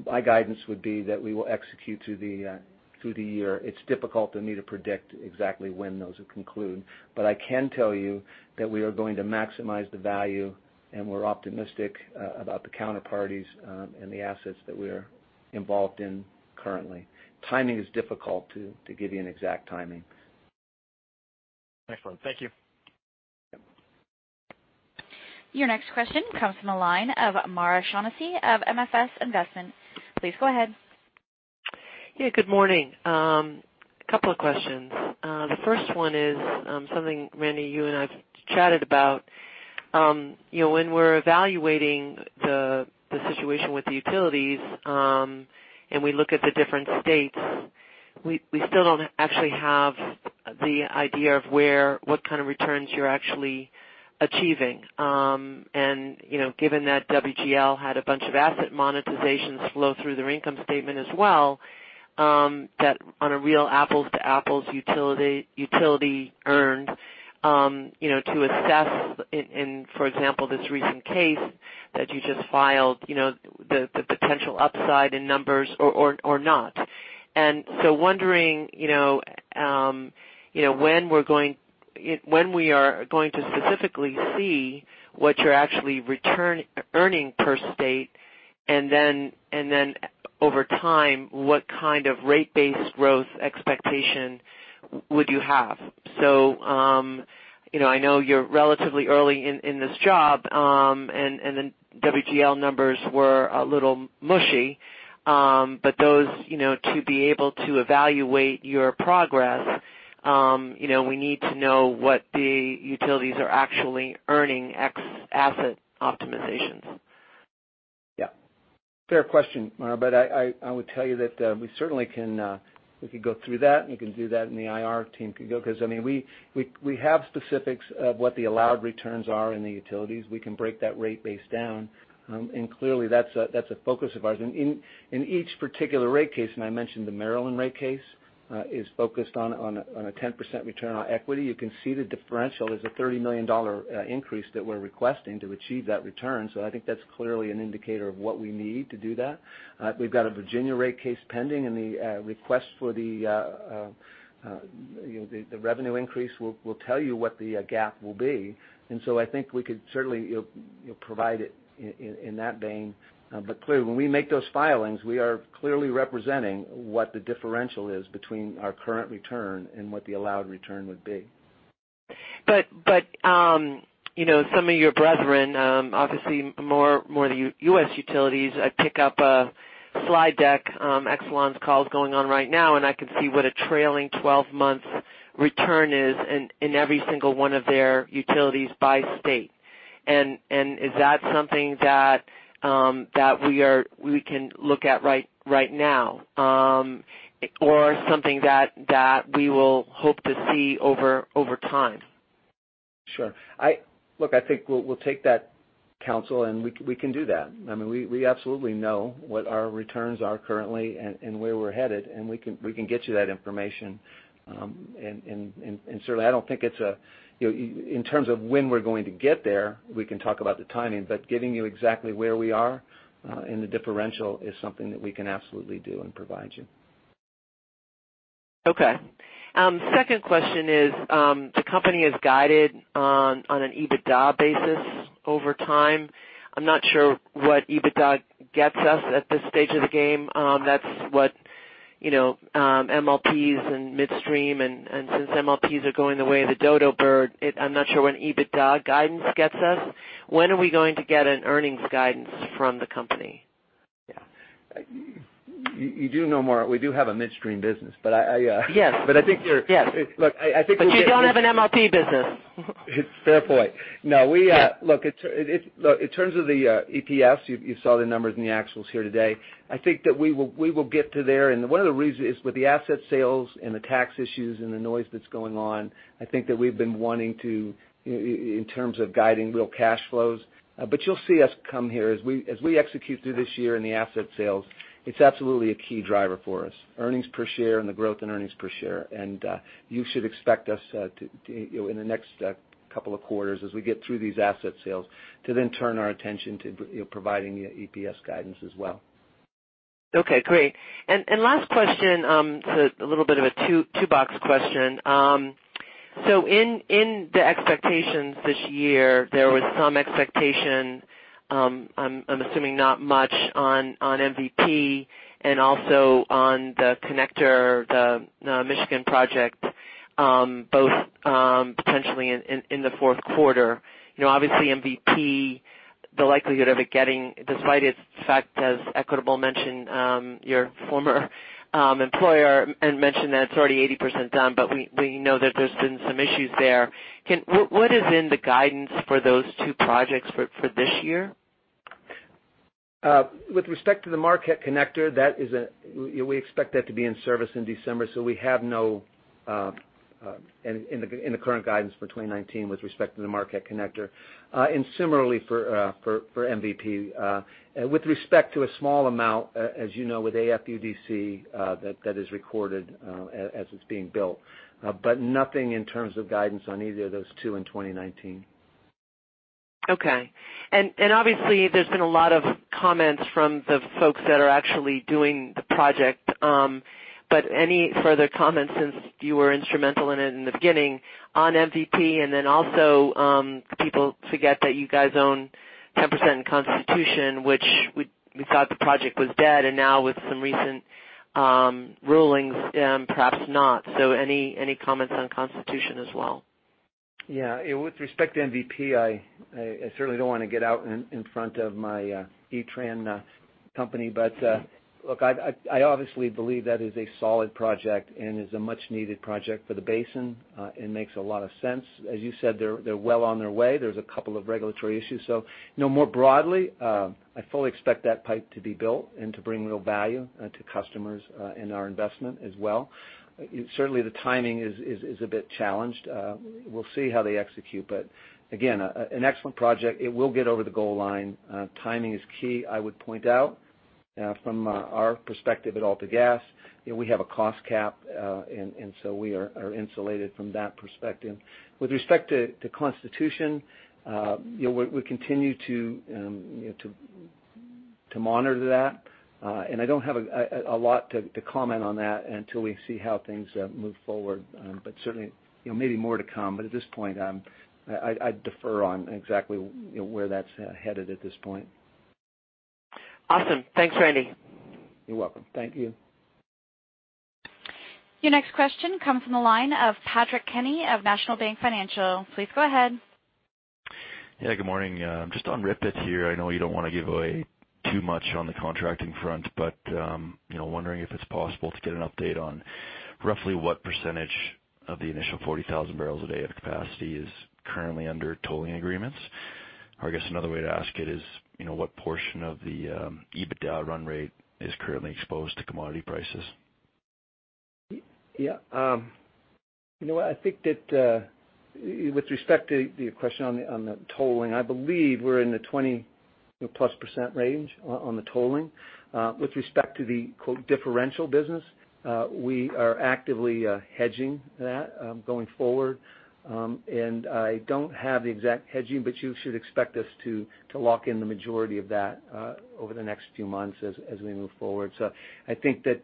my guidance would be that we will execute through the year. It's difficult for me to predict exactly when those will conclude, but I can tell you that we are going to maximize the value, and we're optimistic about the counterparties and the assets that we are involved in currently. Timing is difficult to give you an exact timing. Excellent. Thank you. Yep. Your next question comes from the line of Maura Shaughnessy of MFS Investment. Please go ahead. Yeah, good morning. Two questions. The first one is something, Randy, you and I've chatted about. When we're evaluating the situation with the utilities, and we look at the different states, we still don't actually have the idea of what kind of returns you're actually achieving. Given that WGL had a bunch of asset monetizations flow through their income statement as well, that on a real apples-to-apples utility earnings to assess in, for example, this recent case that you just filed, the potential upside in numbers or not. Wondering when we are going to specifically see what you're actually earning per state, and then over time, what kind of rate-based growth expectation would you have? I know you're relatively early in this job, WGL numbers were a little mushy. To be able to evaluate your progress, we need to know what the utilities are actually earning ex asset optimizations. Fair question, Maura, I would tell you that we certainly can go through that, and we can do that, and the IR team could go, because we have specifics of what the allowed returns are in the utilities. We can break that rate base down. Clearly, that's a focus of ours. In each particular rate case, and I mentioned the Maryland rate case, is focused on a 10% return on equity. You can see the differential. There's a 30 million dollar increase that we're requesting to achieve that return. I think that's clearly an indicator of what we need to do that. We've got a Virginia rate case pending, and the request for the revenue increase will tell you what the gap will be. I think we could certainly provide it in that vein. Clearly, when we make those filings, we are clearly representing what the differential is between our current return and what the allowed return would be. Some of your brethren, obviously more the U.S. utilities, I pick up a slide deck. Exelon's call is going on right now, and I can see what a trailing 12-month return is in every single one of their utilities by state. Is that something that we can look at right now, or something that we will hope to see over time? Sure. Look, I think we'll take that counsel, and we can do that. We absolutely know what our returns are currently and where we're headed, and we can get you that information. Certainly, in terms of when we're going to get there, we can talk about the timing, but getting you exactly where we are in the differential is something that we can absolutely do and provide you. Okay. Second question is, the company has guided on an EBITDA basis over time. I'm not sure what EBITDA gets us at this stage of the game. That's what MLPs and midstream, and since MLPs are going the way of the dodo bird, I'm not sure when EBITDA guidance gets us. When are we going to get an earnings guidance from the company? Yeah. You do know, Maura, we do have a midstream business. Yes. I think you're- Yes. I think we. You don't have an MLP business. Fair point. No. Yeah. In terms of the EPS, you saw the numbers in the Excel here today. I think that we will get to there, one of the reasons is with the asset sales and the tax issues and the noise that's going on, I think that we've been wanting to in terms of guiding real cash flows. You'll see us come here as we execute through this year in the asset sales. It's absolutely a key driver for us, earnings per share and the growth in earnings per share. You should expect us in the next couple of quarters as we get through these asset sales to then turn our attention to providing EPS guidance as well. Okay, great. Last question, it's a little bit of a two-box question. In the expectations this year, there was some expectation, I am assuming not much on MVP and also on the connector, the Michigan project, both potentially in the fourth quarter. Obviously MVP, the likelihood of it getting, despite its fact as EQT mentioned your former employer and mentioned that it's already 80% done, but we know that there's been some issues there. What is in the guidance for those two projects for this year? With respect to the Marquette Connector, we expect that to be in service in December, we have nothing in the current guidance for 2019 with respect to the Marquette Connector. Similarly for MVP. With respect to a small amount, as you know, with AFUDC, that is recorded as it's being built. Nothing in terms of guidance on either of those two in 2019. Okay. Obviously, there's been a lot of comments from the folks that are actually doing the project. Any further comments, since you were instrumental in it in the beginning, on MVP, then also, people forget that you guys own 10% in Constitution, which we thought the project was dead, now with some recent rulings, perhaps not. Any comments on Constitution as well? Yeah. With respect to MVP, I certainly don't want to get out in front of my E-Tran company. Look, I obviously believe that is a solid project and is a much-needed project for the basin. It makes a lot of sense. As you said, they're well on their way. There's a couple of regulatory issues. More broadly, I fully expect that pipe to be built and to bring real value to customers and our investment as well. Certainly, the timing is a bit challenged. We'll see how they execute. Again, an excellent project. It will get over the goal line. Timing is key. I would point out from our perspective at AltaGas, we have a cost cap, we are insulated from that perspective. With respect to Constitution Pipeline, we continue to monitor that. I don't have a lot to comment on that until we see how things move forward. Certainly, maybe more to come. At this point, I'd defer on exactly where that's headed at this point. Awesome. Thanks, Randy. You're welcome. Thank you. Your next question comes from the line of Patrick Kenny of National Bank Financial. Please go ahead. Yeah, good morning. Just on RIPET here. I know you don't want to give away too much on the contracting front, but wondering if it's possible to get an update on roughly what % of the initial 40,000 barrels a day of capacity is currently under tolling agreements. I guess another way to ask it is, what portion of the EBITDA run rate is currently exposed to commodity prices? Yeah. I think that with respect to your question on the tolling, I believe we're in the 20-plus % range on the tolling. With respect to the "differential business," we are actively hedging that going forward. I don't have the exact hedging, but you should expect us to lock in the majority of that over the next few months as we move forward. I think that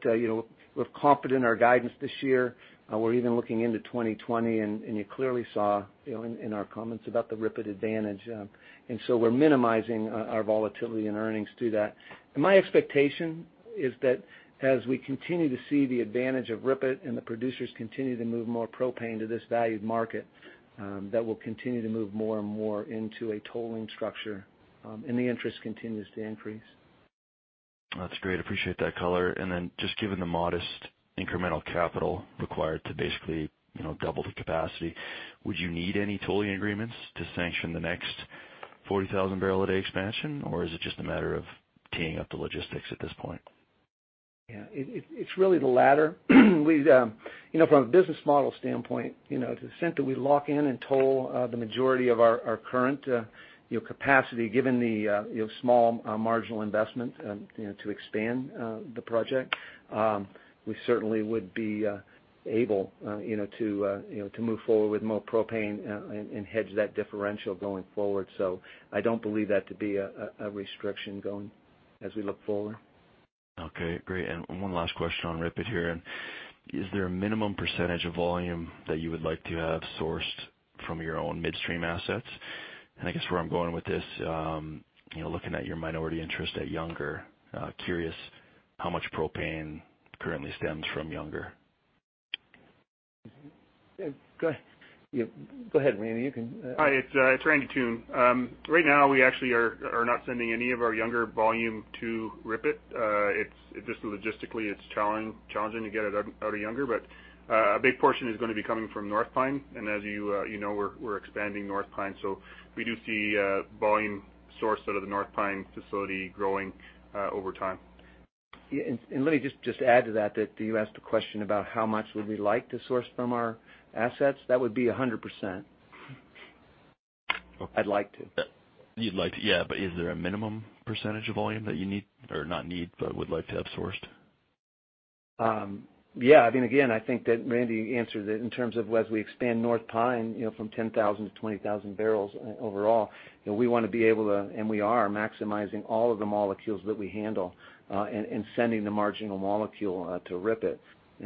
we're confident in our guidance this year. We're even looking into 2020, and you clearly saw in our comments about the RIPET advantage. We're minimizing our volatility in earnings through that. My expectation is that as we continue to see the advantage of RIPET and the producers continue to move more propane to this valued market, that we'll continue to move more and more into a tolling structure, and the interest continues to increase. That's great. Appreciate that color. Just given the modest incremental capital required to basically double the capacity, would you need any tolling agreements to sanction the next 40,000 barrel a day expansion? Is it just a matter of teeing up the logistics at this point? Yeah. It's really the latter. From a business model standpoint, to the extent that we lock in and toll the majority of our current capacity, given the small marginal investment to expand the project, we certainly would be able to move forward with more propane and hedge that differential going forward. I don't believe that to be a restriction as we look forward. One last question on RIPET here. Is there a minimum percentage of volume that you would like to have sourced from your own midstream assets? I guess where I'm going with this, looking at your minority interest at Younger, curious how much propane currently stems from Younger. Go ahead, Randy, you can. Hi, it's Randy Toone. Right now, we actually are not sending any of our Younger volume to RIPET. Logistically, it's challenging to get it out of Younger, a big portion is going to be coming from North Pine, as you know, we're expanding North Pine. We do see volume sourced out of the North Pine facility growing over time. Let me just add to that you asked a question about how much would we like to source from our assets. That would be 100%. I'd like to. You'd like to, yeah. Is there a minimum percentage of volume that you need, or not need, but would like to have sourced? Yeah. Again, I think that Randy answered it in terms of, as we expand North Pine from 10,000 to 20,000 barrels overall, we want to be able to, and we are maximizing all of the molecules that we handle, and sending the marginal molecule to RIPET.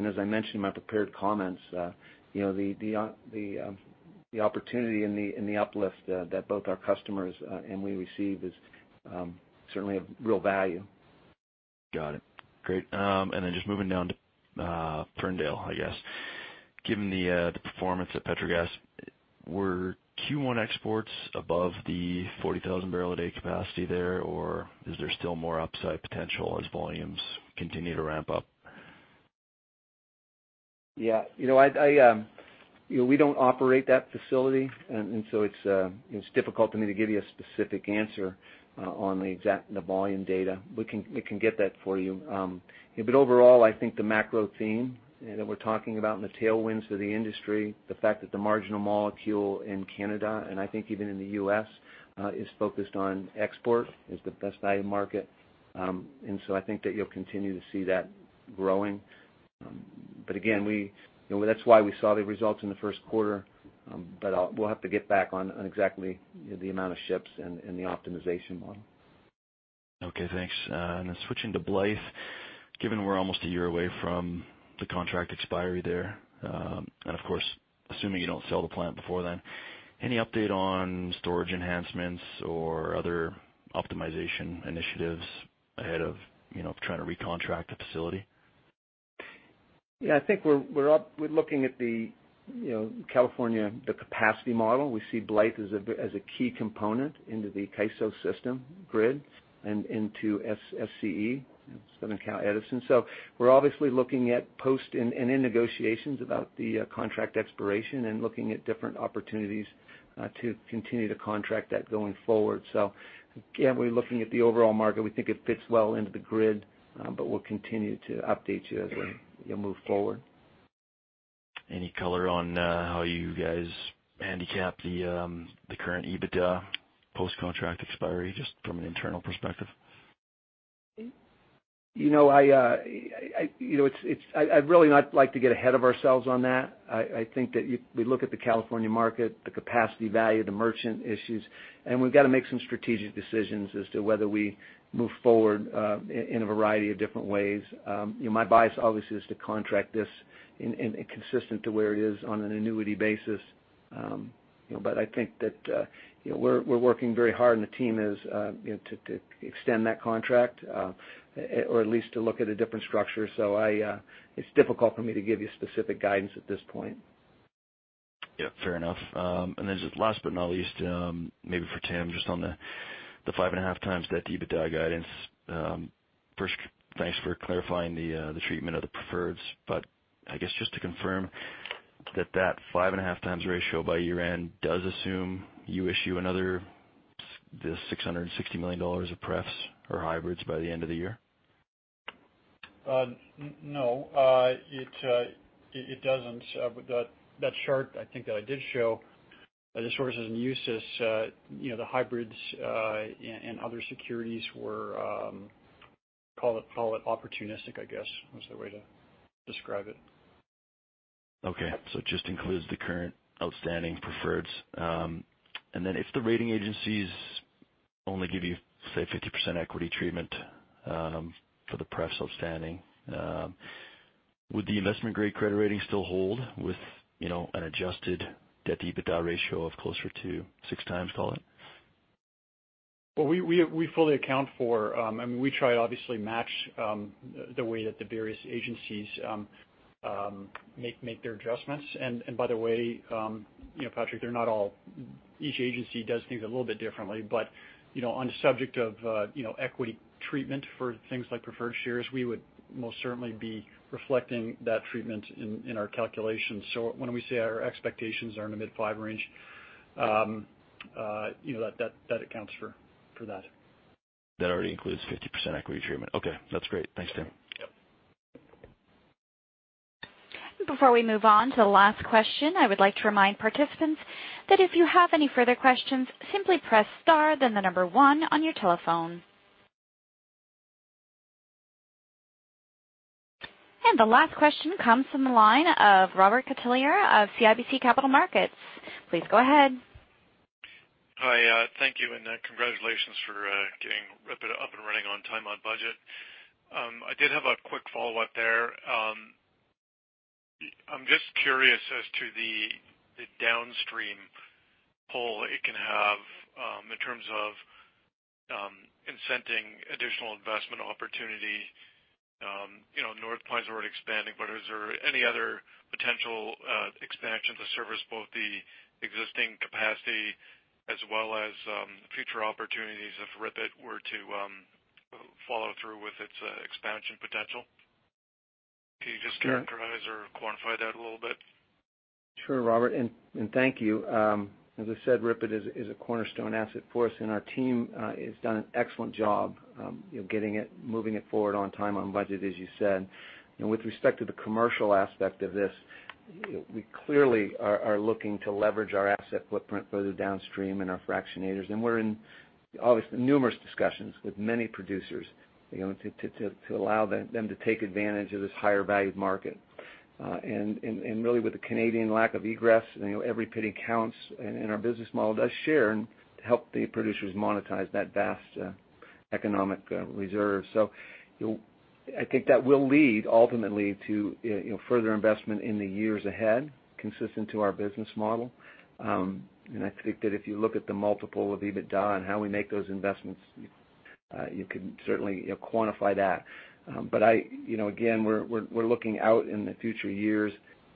As I mentioned in my prepared comments, the opportunity and the uplift that both our customers and we receive is certainly of real value. Got it. Great. Just moving down to Ferndale, I guess. Given the performance at Petrogas, were Q1 exports above the 40,000 barrel a day capacity there, or is there still more upside potential as volumes continue to ramp up? Yeah. We don't operate that facility, and so it's difficult for me to give you a specific answer on the exact volume data. We can get that for you. Overall, I think the macro theme that we're talking about and the tailwinds for the industry, the fact that the marginal molecule in Canada, and I think even in the U.S., is focused on export, is the best value market. I think that you'll continue to see that growing. Again, that's why we saw the results in the first quarter, but we'll have to get back on exactly the amount of ships and the optimization model. Okay, thanks. Switching to Blythe, given we're almost one year away from the contract expiry there, and of course, assuming you don't sell the plant before then, any update on storage enhancements or other optimization initiatives ahead of trying to recontract the facility? I think we're looking at the California capacity model. We see Blythe as a key component into the CAISO system grid and into SCE, Southern California Edison. We're obviously looking at post and in negotiations about the contract expiration and looking at different opportunities to continue to contract that going forward. We're looking at the overall market. We think it fits well into the grid, but we'll continue to update you as we move forward. Any color on how you guys handicap the current EBITDA post-contract expiry, just from an internal perspective? I'd really not like to get ahead of ourselves on that. I think that we look at the California market, the capacity value, the merchant issues, and we've got to make some strategic decisions as to whether we move forward in a variety of different ways. My bias obviously is to contract this consistent to where it is on an annuity basis. I think that we're working very hard, and the team is, to extend that contract, or at least to look at a different structure. It's difficult for me to give you specific guidance at this point. Yeah, fair enough. Just last but not least, maybe for Tim, just on the 5.5 times that EBITDA guidance. First, thanks for clarifying the treatment of the preferreds. I guess just to confirm that that 5.5 times ratio by year-end does assume you issue another 660 million dollars of prefs or hybrids by the end of the year? No. It doesn't. That chart, I think that I did show the sources and uses. The hybrids and other securities were call it opportunistic, I guess, what's the way to describe it. Okay. It just includes the current outstanding preferreds. If the rating agencies only give you, say, 50% equity treatment for the pref's outstanding, would the investment-grade credit rating still hold with an adjusted debt to EBITDA ratio of closer to 6 times, call it? We try to obviously match the way that the various agencies make their adjustments. By the way Patrick, each agency does things a little bit differently. On the subject of equity treatment for things like preferred shares, we would most certainly be reflecting that treatment in our calculations. When we say our expectations are in the mid-5 range, that accounts for that. That already includes 50% equity treatment. Okay, that's great. Thanks, Tim. Yep. Before we move on to the last question, I would like to remind participants that if you have any further questions, simply press star then number 1 on your telephone. The last question comes from the line of Robert Catellier of CIBC Capital Markets. Please go ahead. Hi. Thank you. Congratulations for getting RIPET up and running on time, on budget. I did have a quick follow-up there. I'm just curious as to the downstream pull it can have in terms of incenting additional investment opportunity. North Pine's already expanding, but is there any other potential expansion to service both the existing capacity as well as future opportunities if RIPET were to follow through with its expansion potential? Can you just characterize or quantify that a little bit? Sure, Robert. Thank you. As I said, RIPET is a cornerstone asset for us. Our team has done an excellent job moving it forward on time, on budget, as you said. With respect to the commercial aspect of this, we clearly are looking to leverage our asset footprint further downstream in our fractionators. We're in numerous discussions with many producers to allow them to take advantage of this higher valued market. Really with the Canadian lack of egress, every penny counts, and our business model does share to help the producers monetize that vast economic reserve. I think that will lead ultimately to further investment in the years ahead, consistent to our business model. I think that if you look at the multiple of EBITDA and how we make those investments, you can certainly quantify that. We're looking out in the future years.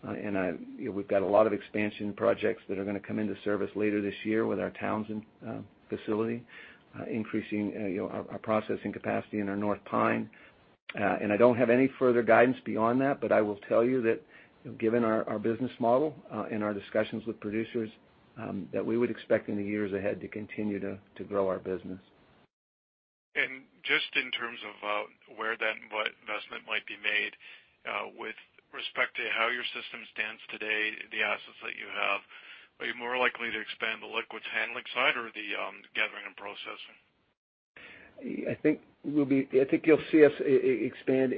We've got a lot of expansion projects that are going to come into service later this year with our Townsend facility, increasing our processing capacity in our North Pine. I don't have any further guidance beyond that, but I will tell you that given our business model and our discussions with producers, that we would expect in the years ahead to continue to grow our business. Just in terms of where what investment might be made with respect to how your system stands today, the assets that you have, are you more likely to expand the liquids handling side or the gathering and processing? I think you'll see us expand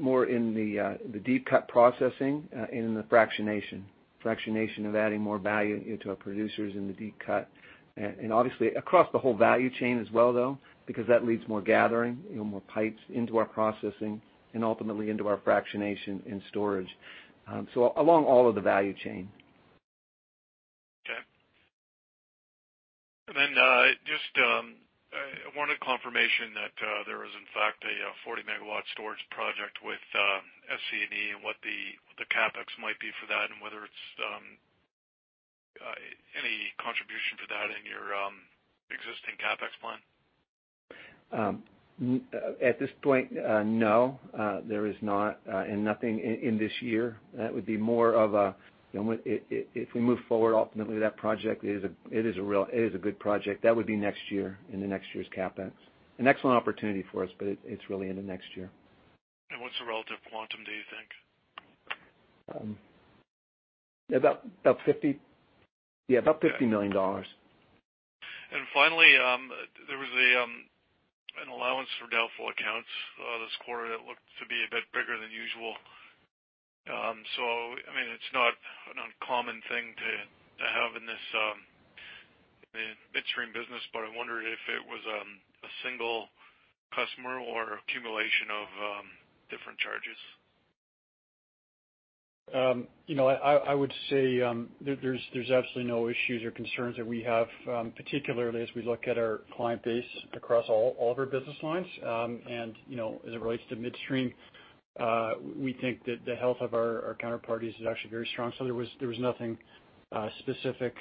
more in the deep cut processing and in the fractionation. Fractionation of adding more value to our producers in the deep cut. Obviously across the whole value chain as well, though, because that leads more gathering, more pipes into our processing and ultimately into our fractionation and storage. Along all of the value chain. Okay. Then I wanted confirmation that there is in fact a 40 MW storage project with SCE and what the CapEx might be for that and whether it's any contribution for that in your existing CapEx plan. At this point, no. There is not. Nothing in this year. If we move forward, ultimately, that project is a good project. That would be next year, in the next year's CapEx. An excellent opportunity for us. It's really into next year. What's the relative quantum, do you think? About CAD 50 million. Finally, there was an allowance for doubtful accounts this quarter that looked to be a bit bigger than usual. It's not an uncommon thing to have in the midstream business, but I wondered if it was a single customer or accumulation of different charges. I would say, there's absolutely no issues or concerns that we have, particularly as we look at our client base across all of our business lines. As it relates to midstream, we think that the health of our counterparties is actually very strong. There was nothing specific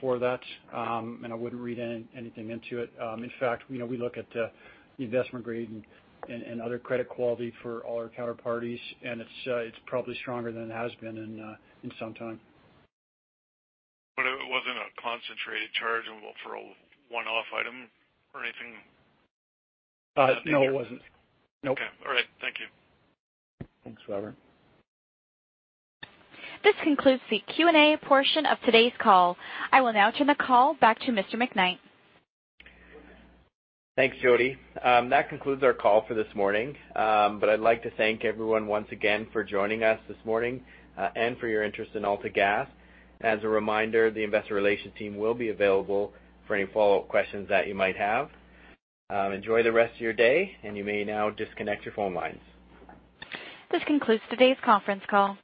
for that, and I wouldn't read anything into it. In fact, we look at the investment grade and other credit quality for all our counterparties, and it's probably stronger than it has been in some time. It wasn't a concentrated charge involved for a one-off item or anything? No, it wasn't. Nope. Okay. All right. Thank you. Thanks, Robert. This concludes the Q&A portion of today's call. I will now turn the call back to Mr. McKnight. Thanks, Jody. That concludes our call for this morning. I'd like to thank everyone once again for joining us this morning, and for your interest in AltaGas. As a reminder, the investor relations team will be available for any follow-up questions that you might have. Enjoy the rest of your day, and you may now disconnect your phone lines. This concludes today's conference call.